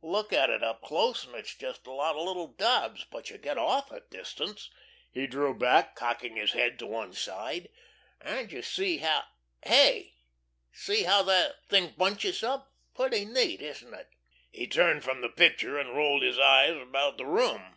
"Look at it close up and it's just a lot of little daubs, but you get off a distance" he drew back, cocking his head to one side "and you see now. Hey see how the thing bunches up. Pretty neat, isn't it?" He turned from the picture and rolled his eyes about the room.